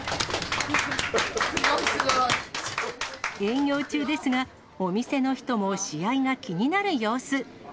すごい。営業中ですが、お店の人も試合が気になる様子。